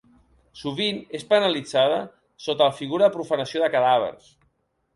Sovint és penalitzada, sota la figura de profanació de cadàvers.